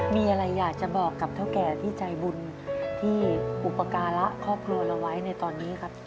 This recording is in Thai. มีอะไรอยากจะบอกกับเท่าแก่ที่ใจบุญที่อุปการะครอบครัวเราไว้ในตอนนี้ครับ